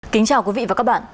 kính chào quý vị và các bạn